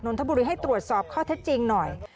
ทบุรีให้ตรวจสอบข้อเท็จจริงหน่อย